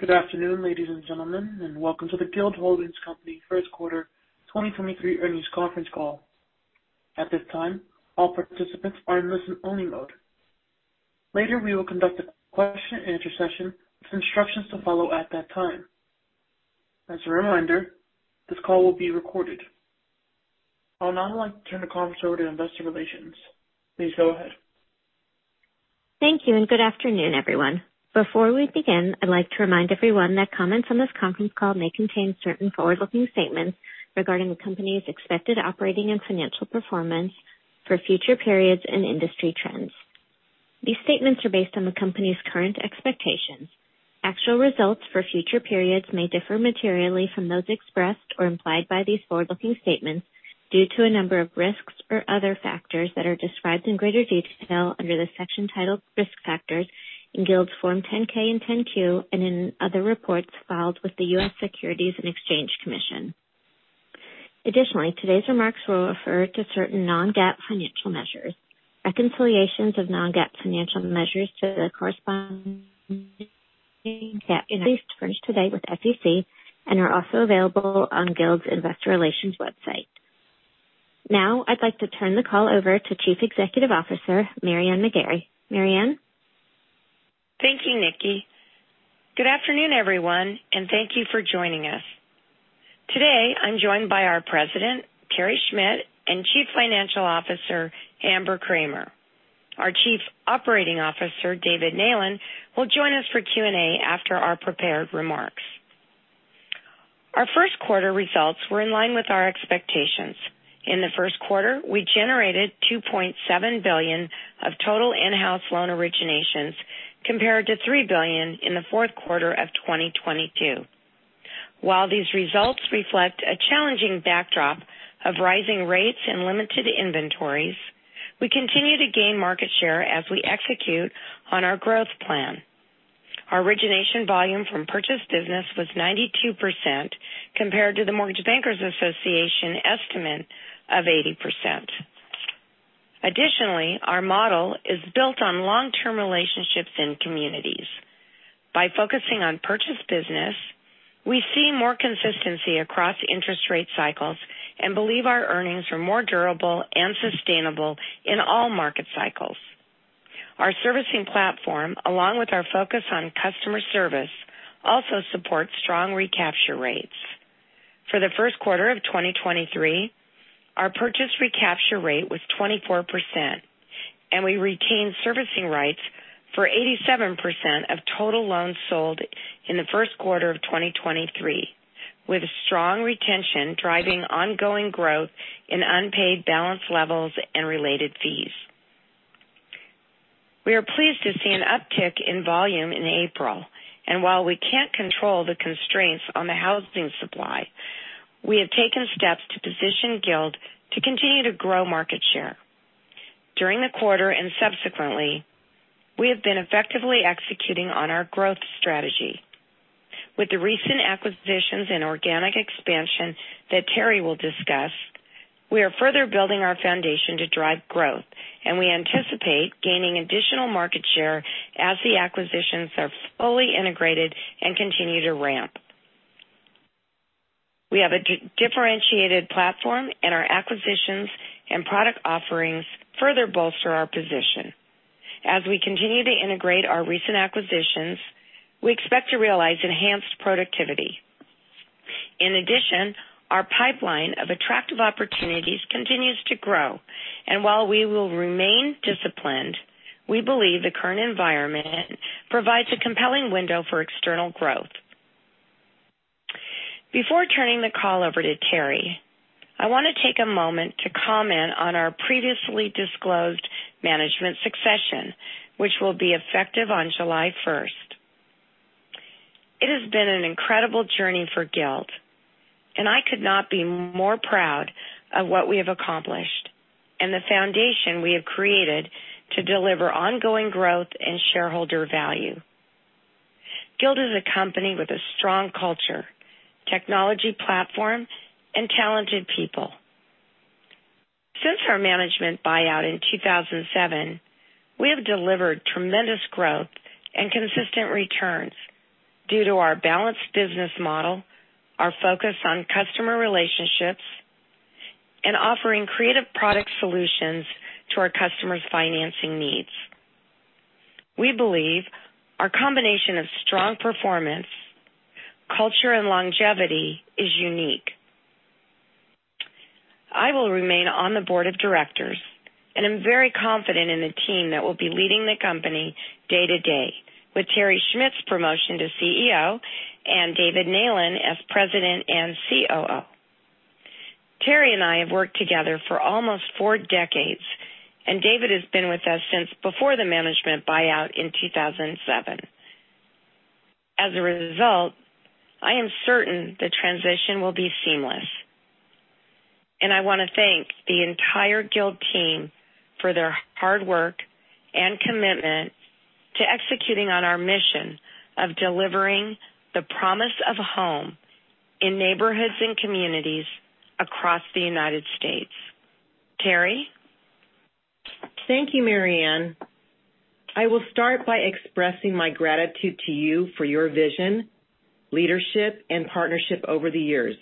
Good afternoon, ladies and gentlemen, welcome to the Guild Holdings Company First Quarter 2023 Earnings Conference Call. At this time, all participants are in listen-only mode. Later, we will conduct a question-and-answer session with instructions to follow at that time. As a reminder, this call will be recorded. I would now like to turn the conference over to Investor Relations. Please go ahead. Thank you, and good afternoon, everyone. Before we begin, I'd like to remind everyone that comments on this conference call may contain certain forward-looking statements regarding the company's expected operating and financial performance for future periods and industry trends. These statements are based on the company's current expectations. Actual results for future periods may differ materially from those expressed or implied by these forward-looking statements due to a number of risks or other factors that are described in greater detail under the section titled Risk Factors in Guild's Form 10-K and 10-Q, and in other reports filed with the U.S. Securities and Exchange Commission. Additionally, today's remarks will refer to certain non-GAAP financial measures. Reconciliations of non-GAAP financial measures to the corresponding GAAP are supplied today with SEC and are also available on Guild's Investor Relations website. I'd like to turn the call over to Chief Executive Officer, Mary Ann McGarry. Mary Ann? Thank you, Nikki. Good afternoon, everyone, and thank you for joining us. Today, I'm joined by our President, Terry Schmidt, and Chief Financial Officer, Amber Kramer. Our Chief Operating Officer, David Neylan, will join us for Q&A after our prepared remarks. Our first quarter results were in line with our expectations. In the first quarter, we generated $2.7 billion of total in-house loan originations compared to $3 billion in the fourth quarter of 2022. While these results reflect a challenging backdrop of rising rates and limited inventories, we continue to gain market share as we execute on our growth plan. Our origination volume from purchase business was 92% compared to the Mortgage Bankers Association estimate of 80%. Additionally, our model is built on long-term relationships in communities. By focusing on purchase business, we see more consistency across interest rate cycles and believe our earnings are more durable and sustainable in all market cycles. Our servicing platform, along with our focus on customer service, also supports strong recapture rates. For the first quarter of 2023, our purchase recapture rate was 24%, and we retained servicing rights for 87% of total loans sold in the first quarter of 2023, with strong retention driving ongoing growth in unpaid balance levels and related fees. While we can't control the constraints on the housing supply, we have taken steps to position Guild to continue to grow market share. During the quarter and subsequently, we have been effectively executing on our growth strategy. With the recent acquisitions and organic expansion that Terry will discuss, we are further building our foundation to drive growth, and we anticipate gaining additional market share as the acquisitions are fully integrated and continue to ramp. We have a differentiated platform, and our acquisitions and product offerings further bolster our position. As we continue to integrate our recent acquisitions, we expect to realize enhanced productivity. In addition, our pipeline of attractive opportunities continues to grow, and while we will remain disciplined, we believe the current environment provides a compelling window for external growth. Before turning the call over to Terry, I want to take a moment to comment on our previously disclosed management succession, which will be effective on July 1st. It has been an incredible journey for Guild, and I could not be more proud of what we have accomplished and the foundation we have created to deliver ongoing growth and shareholder value. Guild is a company with a strong culture, technology platform, and talented people. Since our management buyout in 2007, we have delivered tremendous growth and consistent returns due to our balanced business model, our focus on customer relationships, and offering creative product solutions to our customers' financing needs. We believe our combination of strong performance, culture, and longevity is unique. I will remain on the board of directors, and I'm very confident in the team that will be leading the company day-to-day with Terry Schmidt's promotion to CEO and David Neylan as President and COO. Terry and I have worked together for almost four decades, and David has been with us since before the management buyout in 2007. As a result, I am certain the transition will be seamless. I want to thank the entire Guild team for their hard work and commitment to executing on our mission of delivering the promise of a home in neighborhoods and communities across the United States. Terry? Thank you, Mary Ann. I will start by expressing my gratitude to you for your vision, leadership, and partnership over the years.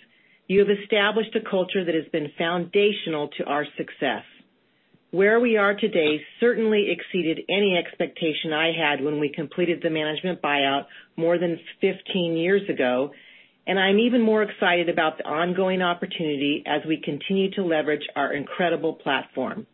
You have established a culture that has been foundational to our success. Where we are today certainly exceeded any expectation I had when we completed the management buyout more than 15 years ago, and I'm even more excited about the ongoing opportunity as we continue to leverage our incredible platform.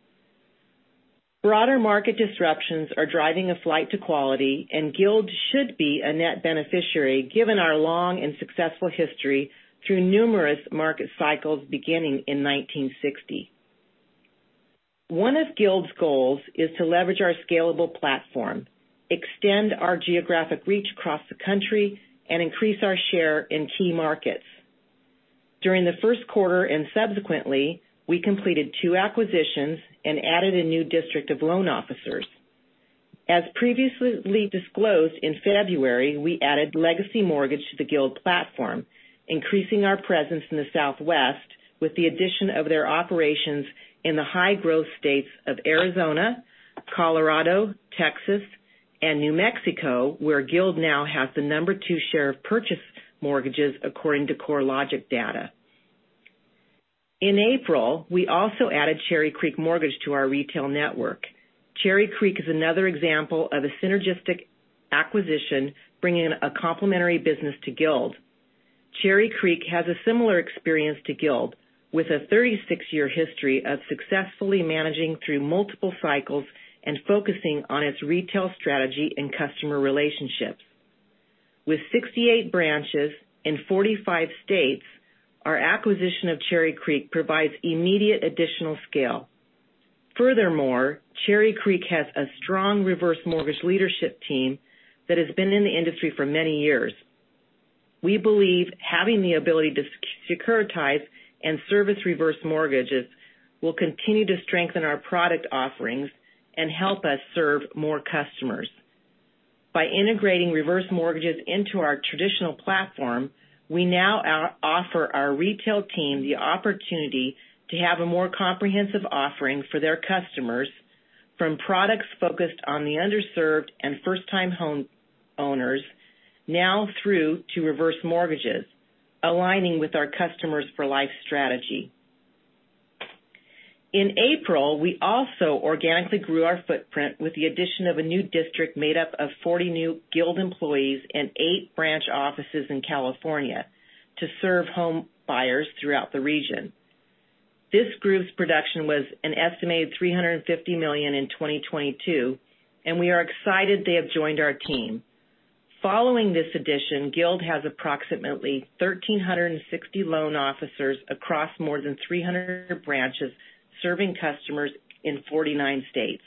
Broader market disruptions are driving a flight to quality, and Guild should be a net beneficiary given our long and successful history through numerous market cycles beginning in 1960. One of Guild's goals is to leverage our scalable platform, extend our geographic reach across the country, and increase our share in key markets. During the first quarter and subsequently, we completed two acquisitions and added a new district of loan officers. As previously disclosed in February, we added Legacy Mortgage to the Guild platform, increasing our presence in the Southwest with the addition of their operations in the high-growth states of Arizona, Colorado, Texas, and New Mexico, where Guild now has the number two share of purchase mortgages according to CoreLogic data. In April, we also added Cherry Creek Mortgage to our retail network. Cherry Creek is another example of a synergistic acquisition bringing a complementary business to Guild. Cherry Creek has a similar experience to Guild, with a 36-year history of successfully managing through multiple cycles and focusing on its retail strategy and customer relationships. With 68 branches in 45 states, our acquisition of Cherry Creek provides immediate additional scale. Furthermore, Cherry Creek has a strong reverse mortgage leadership team that has been in the industry for many years. We believe having the ability to securitize and service reverse mortgages will continue to strengthen our product offerings and help us serve more customers. By integrating reverse mortgages into our traditional platform, we now offer our retail team the opportunity to have a more comprehensive offering for their customers from products focused on the underserved and first-time homeowners now through to reverse mortgages, aligning with our Customers for Life strategy. In April, we also organically grew our footprint with the addition of a new district made up of 40 new Guild employees and eight branch offices in California to serve home buyers throughout the region. This group's production was an estimated $350 million in 2022. We are excited they have joined our team. Following this addition, Guild has approximately 1,360 loan officers across more than 300 branches, serving customers in 49 states.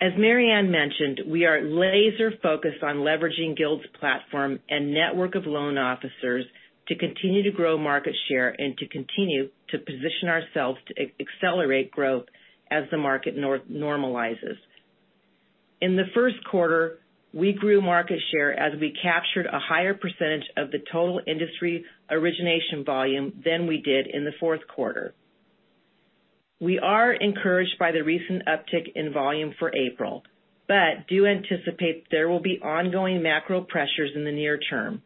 As Mary Ann mentioned, we are laser focused on leveraging Guild's platform and network of loan officers to continue to grow market share and to continue to position ourselves to accelerate growth as the market normalizes. In the first quarter, we grew market share as we captured a higher percentage of the total industry origination volume than we did in the fourth quarter. We are encouraged by the recent uptick in volume for April, do anticipate there will be ongoing macro pressures in the near term.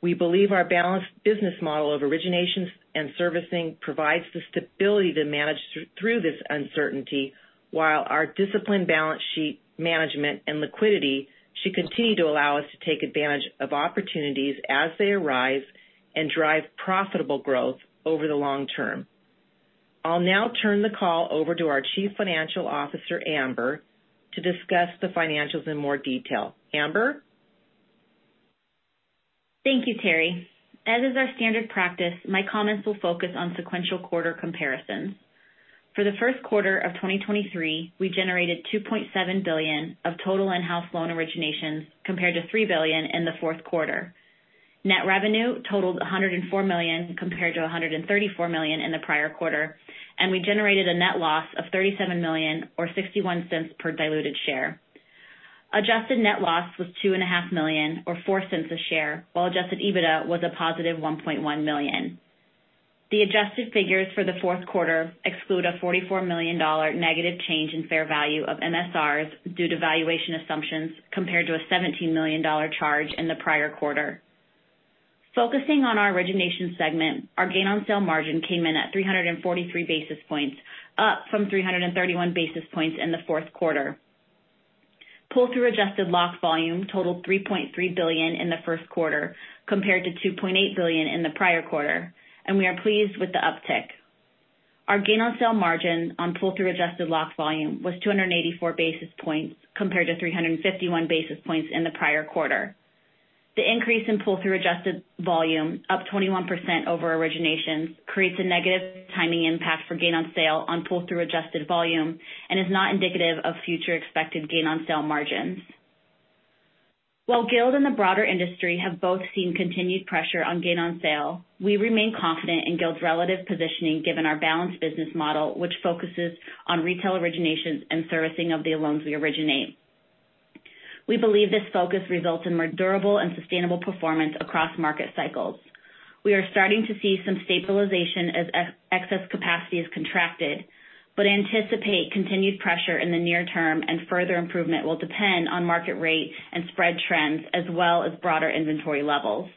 We believe our balanced business model of originations and servicing provides the stability to manage through this uncertainty, while our disciplined balance sheet management and liquidity should continue to allow us to take advantage of opportunities as they arise and drive profitable growth over the long term. I'll now turn the call over to our Chief Financial Officer, Amber, to discuss the financials in more detail. Amber? Thank you, Terry. As is our standard practice, my comments will focus on sequential quarter comparisons. For the first quarter of 2023, we generated $2.7 billion of total in-house loan originations compared to $3 billion in the fourth quarter. Net revenue totaled $104 million compared to $134 million in the prior quarter. We generated a net loss of $37 million or $0.61 per diluted share. Adjusted net loss was $2.5 million or $0.04 a share, while Adjusted EBITDA was a positive $1.1 million. The adjusted figures for the fourth quarter exclude a $44 million negative change in fair value of MSRs due to valuation assumptions compared to a $17 million charge in the prior quarter. Focusing on our origination segment, our gain on sale margin came in at 343 basis points, up from 331 basis points in the fourth quarter. Pull-through adjusted locked volume totaled $3.3 billion in the first quarter compared to $2.8 billion in the prior quarter, we are pleased with the uptick. Our gain on sale margin on pull-through adjusted locked volume was 284 basis points compared to 351 basis points in the prior quarter. The increase in pull-through adjusted volume, up 21% over originations, creates a negative timing impact for gain on sale on pull-through adjusted volume and is not indicative of future expected gain on sale margins. While Guild and the broader industry have both seen continued pressure on gain on sale, we remain confident in Guild's relative positioning given our balanced business model, which focuses on retail originations and servicing of the loans we originate. We believe this focus results in more durable and sustainable performance across market cycles. We are starting to see some stabilization as ex-excess capacity is contracted, but anticipate continued pressure in the near term and further improvement will depend on market rate and spread trends as well as broader inventory levels.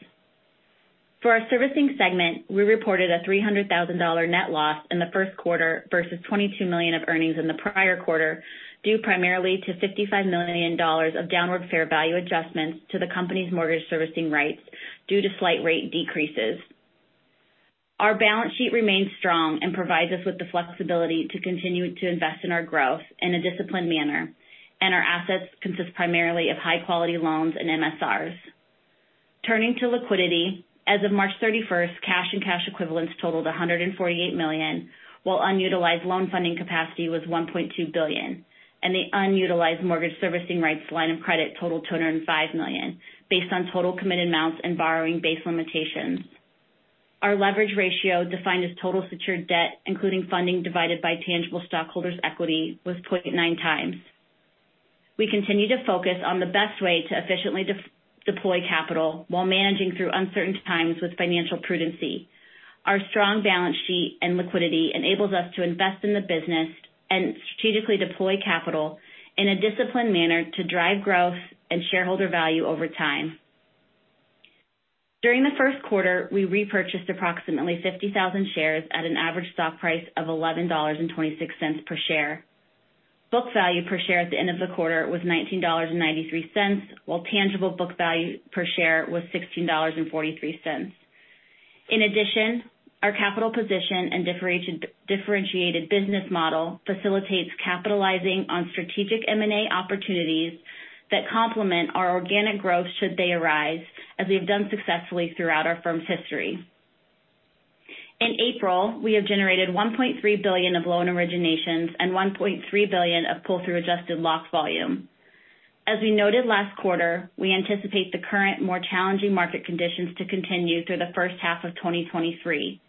For our servicing segment, we reported a $300,000 net loss in the first quarter versus $22 million of earnings in the prior quarter, due primarily to $55 million of downward fair value adjustments to the company's mortgage servicing rights due to slight rate decreases. Our balance sheet remains strong and provides us with the flexibility to continue to invest in our growth in a disciplined manner, and our assets consist primarily of high-quality loans and MSRs. Turning to liquidity, as of March 31st, cash and cash equivalents totaled $148 million, while unutilized loan funding capacity was $1.2 billion, and the unutilized mortgage servicing rights line of credit totaled $205 million based on total committed amounts and borrowing base limitations. Our leverage ratio, defined as total secured debt, including funding divided by tangible stockholders' equity, was 0.9 times. We continue to focus on the best way to efficiently deploy capital while managing through uncertain times with financial prudency. Our strong balance sheet and liquidity enables us to invest in the business and strategically deploy capital in a disciplined manner to drive growth and shareholder value over time. During the first quarter, we repurchased approximately 50,000 shares at an average stock price of $11.26 per share. Book value per share at the end of the quarter was $19.93, while tangible book value per share was $16.43. In addition, our capital position and differentiated business model facilitates capitalizing on strategic M&A opportunities that complement our organic growth should they arise, as we have done successfully throughout our firm's history. In April, we have generated $1.3 billion of loan originations and $1.3 billion of pull-through adjusted locked volume. As we noted last quarter, we anticipate the current, more challenging market conditions to continue through the first half of 2023.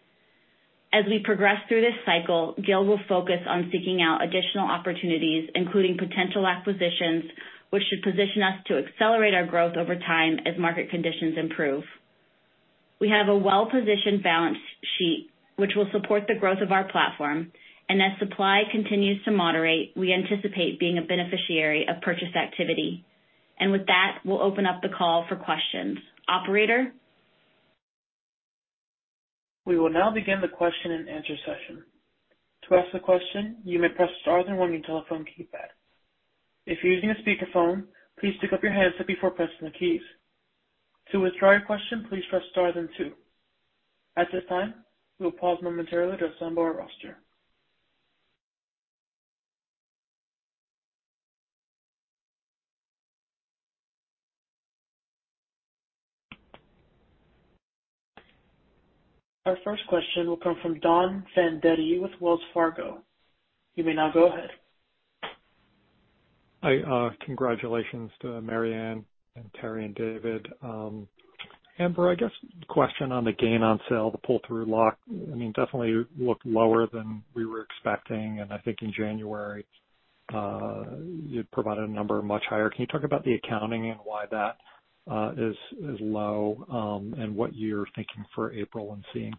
As we progress through this cycle, Guild will focus on seeking out additional opportunities, including potential acquisitions, which should position us to accelerate our growth over time as market conditions improve. We have a well-positioned balance sheet, which will support the growth of our platform. As supply continues to moderate, we anticipate being a beneficiary of purchase activity. With that, we'll open up the call for questions. Operator? We will now begin the question-and-answer session. To ask a question, you may press star then one on your telephone keypad. If you're using a speakerphone, please pick up your handset before pressing the keys. To withdraw your question, please press star then two. At this time, we will pause momentarily to assemble our roster. Our first question will come from Don Fandetti with Wells Fargo. You may now go ahead. Hi, congratulations to Mary Ann and Terry and David. Amber, I guess the question on the gain on sale, the pull-through lock, I mean, definitely looked lower than we were expecting, and I think in January, you'd provided a number much higher. Can you talk about the accounting and why that is low, and what you're thinking for April and seeing?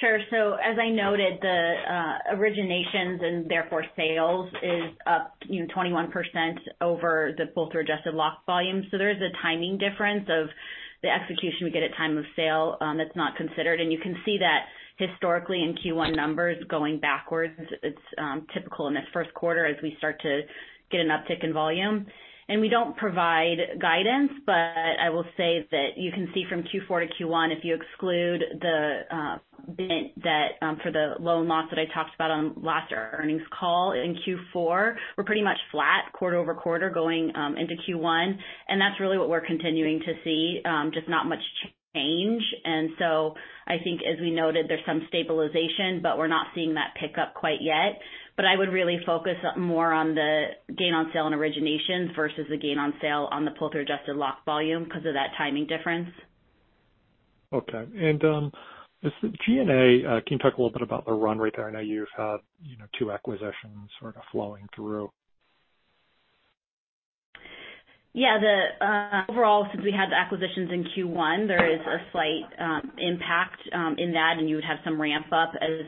Sure. As I noted, the originations and therefore sales is up, you know, 21% over the pull-through adjusted locked volume. There is a timing difference of the execution we get at time of sale, that's not considered. You can see that historically in Q1 numbers going backwards. It's typical in this first quarter as we start to get an uptick in volume. We don't provide guidance, but I will say that you can see from Q4 to Q1, if you exclude the bit that for the loan loss that I talked about on last earnings call in Q4, we're pretty much flat quarter-over-quarter going into Q1. That's really what we're continuing to see, just not much change. I think as we noted, there's some stabilization, but we're not seeing that pick up quite yet. I would really focus more on the gain on sale and origination versus the gain on sale on the pull-through adjusted locked volume because of that timing difference. Okay. This G&A, can you talk a little bit about the run rate there? I know you've had, you know, two acquisitions sort of flowing through. Yeah. The overall, since we had the acquisitions in Q1, there is a slight impact in that, and you would have some ramp-up as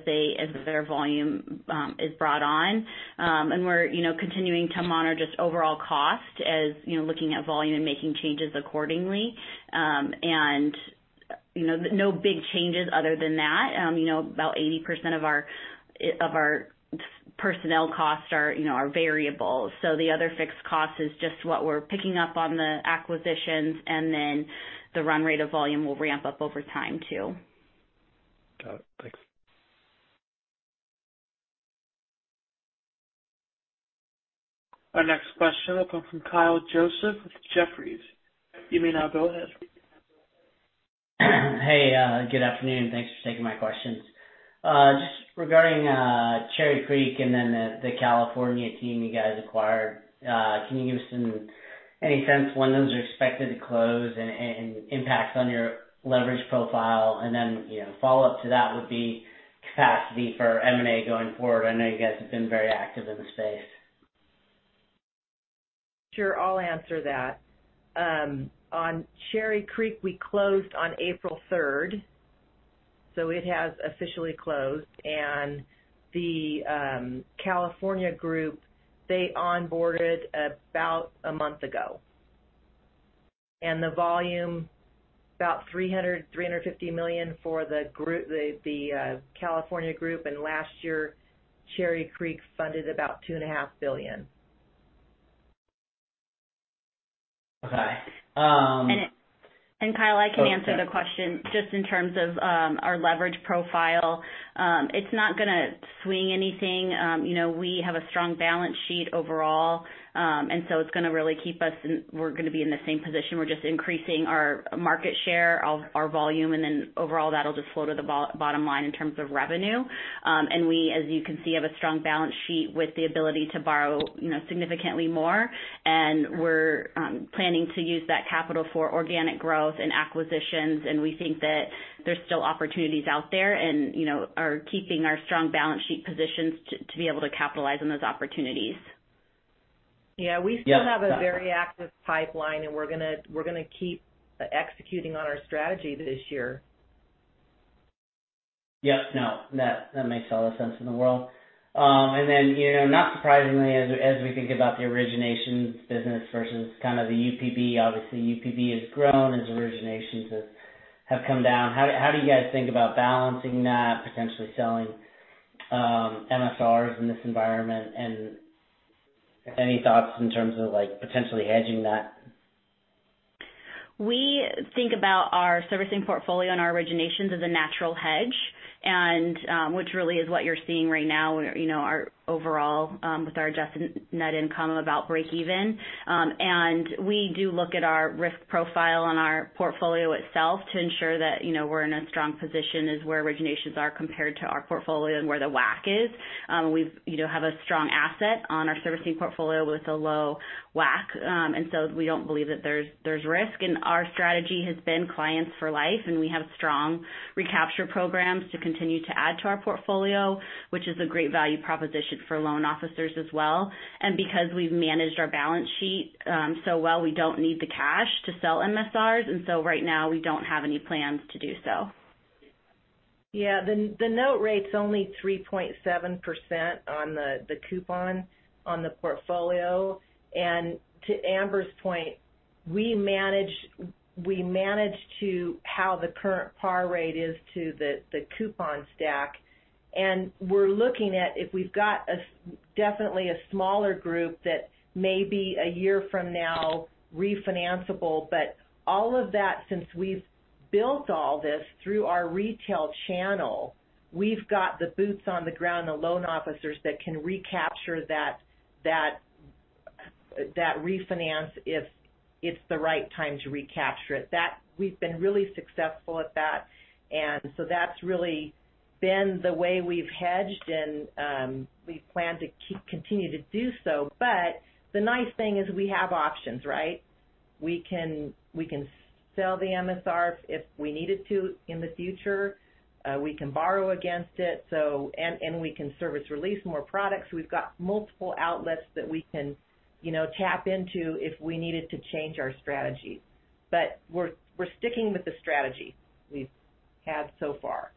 their volume is brought on. We're, you know, continuing to monitor just overall cost as, you know, looking at volume and making changes accordingly. You know, no big changes other than that. You know, about 80% of our, of our personnel costs are, you know, are variable. The other fixed cost is just what we're picking up on the acquisitions, and then the run rate of volume will ramp up over time too. Got it. Thanks. Our next question will come from Kyle Joseph with Jefferies. You may now go ahead. Hey, good afternoon. Thanks for taking my questions. Just regarding Cherry Creek and then the California team you guys acquired, can you give us any sense when those are expected to close and impacts on your leverage profile? You know, follow up to that would be capacity for M&A going forward. I know you guys have been very active in the space. Sure. I'll answer that. On Cherry Creek, we closed on April 3rd, so it has officially closed. The California Group, they onboarded about a month ago. The volume about $300 million-$350 million for the California Group. Last year, Cherry Creek funded about 2.5 billion. Okay. Kyle, I can answer the question just in terms of our leverage profile. It's not gonna swing anything. You know, we have a strong balance sheet overall. It's gonna really keep us, and we're gonna be in the same position. We're just increasing our market share of our volume, overall that'll just flow to the bottom line in terms of revenue. We, as you can see, have a strong balance sheet with the ability to borrow, you know, significantly more. We're planning to use that capital for organic growth and acquisitions. We think that there's still opportunities out there and, you know, are keeping our strong balance sheet positions to be able to capitalize on those opportunities. Yeah. We still have a very active pipeline, we're gonna keep executing on our strategy this year. Yeah. No, that makes all the sense in the world. You know, not surprisingly, as we think about the originations business versus kind of the UPB, obviously UPB has grown as originations have come down. How, how do you guys think about balancing that, potentially selling, MSRs in this environment? Any thoughts in terms of like potentially hedging that? We think about our servicing portfolio and our originations as a natural hedge, which really is what you're seeing right now, you know, our overall with our adjusted net income of about break even. We do look at our risk profile on our portfolio itself to ensure that, you know, we're in a strong position as where originations are compared to our portfolio and where the WAC is. We've, you know, have a strong asset on our servicing portfolio with a low WAC. We don't believe that there's risk. Our strategy has been clients for life, and we have strong recapture programs to continue to add to our portfolio, which is a great value proposition for loan officers as well. Because we've managed our balance sheet, so well, we don't need the cash to sell MSRs, and so right now we don't have any plans to do so. Yeah. The note rate's only 3.7% on the coupon on the portfolio. To Amber's point, we manage to how the current par rate is to the coupon stack. We're looking at if we've got a definitely a smaller group that may be a year from now refinanceable. All of that, since we've built all this through our retail channel, we've got the boots on the ground, the loan officers that can recapture that refinance if it's the right time to recapture it. We've been really successful at that. That's really been the way we've hedged, and we plan to continue to do so. The nice thing is we have options, right? We can sell the MSR if we needed to in the future. We can borrow against it. We can service release more products. We've got multiple outlets that we can, you know, tap into if we needed to change our strategy. We're sticking with the strategy we've had so far.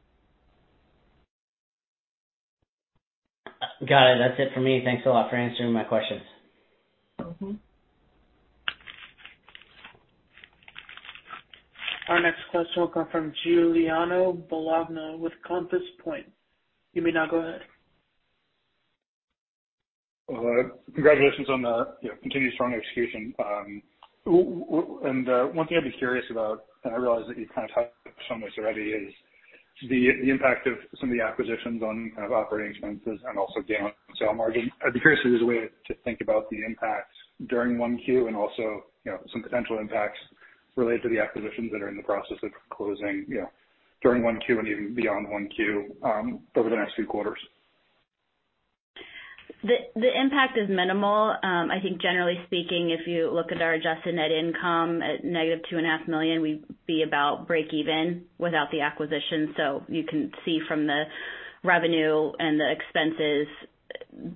Got it. That's it for me. Thanks a lot for answering my questions. Mm-hmm. Our next question will come from Giuliano Bologna with Compass Point. You may now go ahead. Congratulations on the, you know, continued strong execution. One thing I'd be curious about, and I realize that you've kind of touched on this already, is the impact of some of the acquisitions on kind of operating expenses and also gain on sale margin. I'd be curious if there's a way to think about the impacts during 1Q and also, you know, some potential impacts related to the acquisitions that are in the process of closing, you know, during 1Q and even beyond 1Q, over the next few quarters. The impact is minimal. I think generally speaking, if you look at our adjusted net income at -2.5 million, we'd be about break even without the acquisition. You can see from the revenue and the expenses,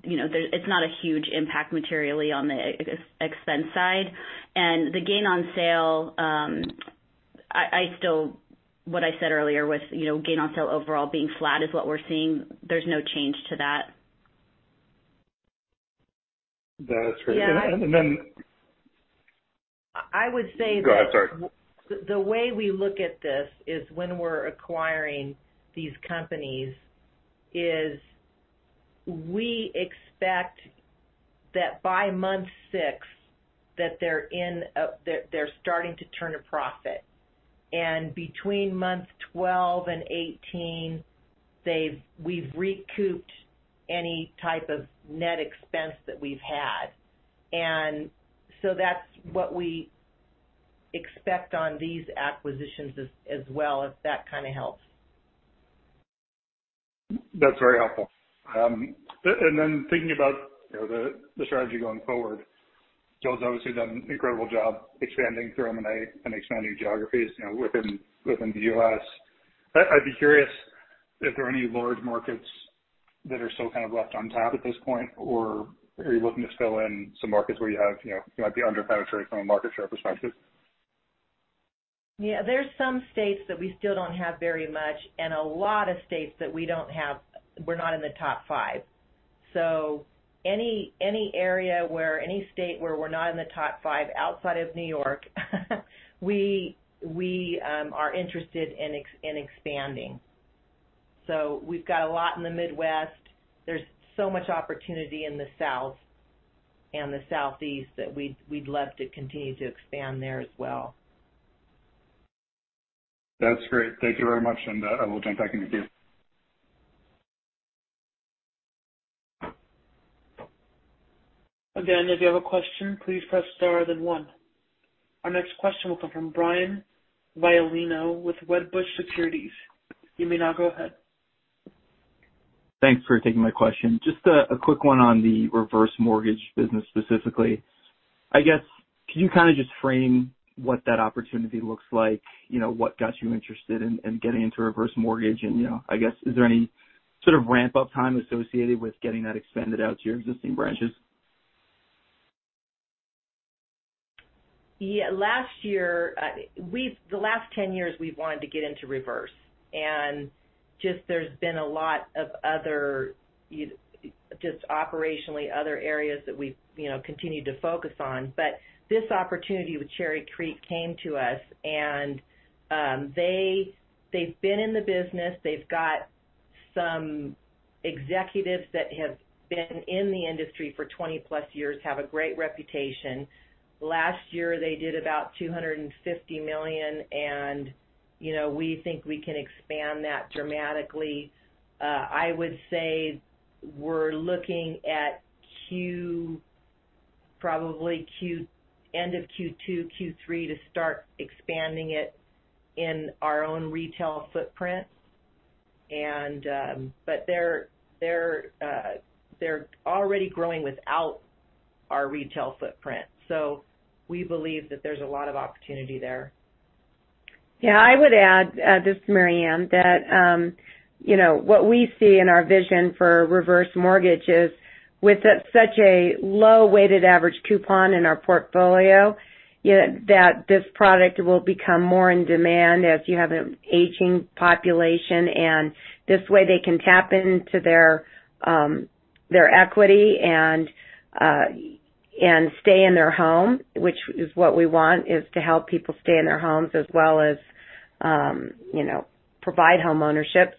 you know, it's not a huge impact materially on the e-expense side. The gain on sale, I still, what I said earlier was, you know, gain on sale overall being flat is what we're seeing. There's no change to that. That's great. Yeah. Then. I would say. Go ahead. Sorry. The way we look at this is when we're acquiring these companies is we expect that by month six that they're starting to turn a profit. Between month 12 and 18, we've recouped any type of net expense that we've had. That's what we expect on these acquisitions as well, if that kinda helps. That's very helpful. And then thinking about, you know, the strategy going forward, Joe's obviously done an incredible job expanding through M&A and expanding geographies, you know, within the U.S. I'd be curious if there are any large markets that are still kind of left on tap at this point, or are you looking to fill in some markets where you have, you know, you might be under-penetrated from a market share perspective? There's some states that we still don't have very much and a lot of states that we're not in the top five. Any state where we're not in the top five outside of New York, we are interested in expanding. We've got a lot in the Midwest. There's so much opportunity in the South and the Southeast that we'd love to continue to expand there as well. That's great. Thank you very much, and I will jump back into queue. If you have a question, please press star, then one. Our next question will come from Brian Violino with Wedbush Securities. You may now go ahead. Thanks for taking my question. Just a quick one on the reverse mortgage business specifically. I guess, can you kind of just frame what that opportunity looks like? You know, what got you interested in getting into reverse mortgage? You know, I guess, is there any sort of ramp up time associated with getting that expanded out to your existing branches? Yeah. Last year, the last 10 years we've wanted to get into reverse. There's been a lot of other, just operationally other areas that we've, you know, continued to focus on. This opportunity with Cherry Creek came to us and they've been in the business. They've got some executives that have been in the industry for 20+ years, have a great reputation. Last year, they did about $250 million and, you know, we think we can expand that dramatically. I would say we're looking at end of Q2, Q3 to start expanding it in our own retail footprint. They're already growing without our retail footprint. We believe that there's a lot of opportunity there. Yeah. I would add, this is Mary Ann, that, you know, what we see in our vision for reverse mortgage is with such a low weighted average coupon in our portfolio, that this product will become more in demand as you have an aging population. This way they can tap into their equity and stay in their home, which is what we want, is to help people stay in their homes as well as, you know, provide homeownership.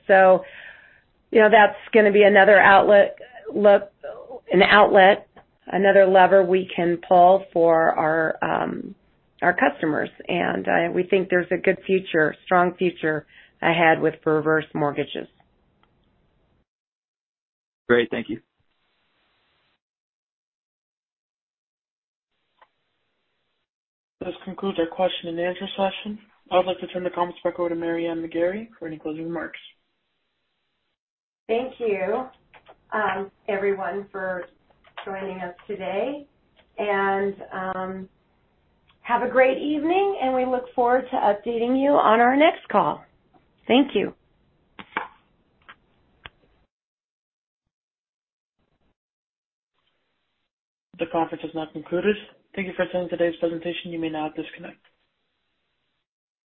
You know, that's gonna be another outlet, another lever we can pull for our customers. We think there's a good future, strong future ahead with reverse mortgages. Great. Thank you. This concludes our question and answer session. I would like to turn the conference back over to Mary Ann McGarry for any closing remarks. Thank you, everyone, for joining us today. Have a great evening, and we look forward to updating you on our next call. Thank you. The conference has now concluded. Thank you for attending today's presentation. You may now disconnect.